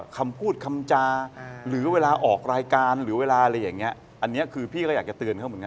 คำพูดคำจาหรือเวลาออกรายการหรือเวลาอะไรอย่างนี้อันนี้คือพี่ก็อยากจะเตือนเขาเหมือนกัน